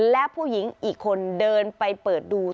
และผู้หญิงอีกคนเดินไปเปิดดู